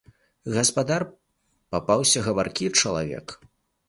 Гаспадар папаўся гаваркі чалавек.